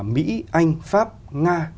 mỹ anh pháp nga